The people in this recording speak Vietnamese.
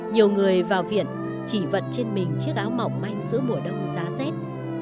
nhiều người vào viện chỉ vật trên mình chiếc áo mỏng manh giữa mùa đông giá rét